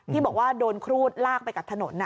ที่บอกว่าโดนครูดลากไปกับถนน